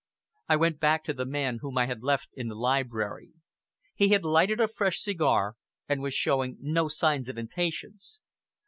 I went back to the man whom I had left in the library. He had lighted a fresh cigar, and was showing no signs of impatience.